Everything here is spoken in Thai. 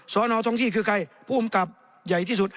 สอนอท้องที่คือใครผู้อำกับใหญ่ที่สุด